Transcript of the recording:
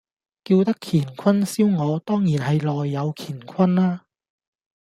叫得乾坤燒鵝，當然係內有乾坤啦